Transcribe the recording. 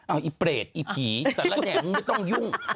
อ้าวไอ้เปรตไอ้ผีสละแหน่มึงไม่ต้องยุ่ง